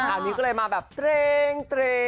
อันนี้ก็เลยมาแบบเตรง